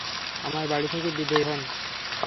আমার বাড়ি থেকে বিদেয় হোন!